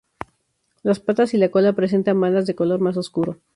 Las patas y la cola presentan bandas de color más oscuro.